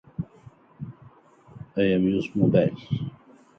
Grenora is home to the Writing Rock State Historical Site.